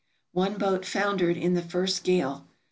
One boat foundered in the first gale.